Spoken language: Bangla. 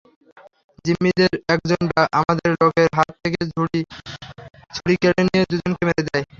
জিম্মিদের একজন আপনার লোকেদের হাত থেকে ছুড়ি কেড়ে নিয়ে দুজনকে মেরে দেয়।